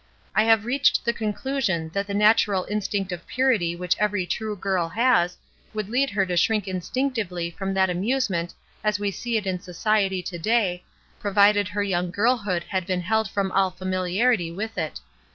I have reached the conclusion that the natural instinct of purity which every true girl has, would lead her to shrink instinctively from that amusement as we see it in society to day, provided her young girlhood had been held from all famiUarity with it.